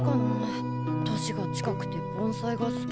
年が近くて盆栽が好きな子。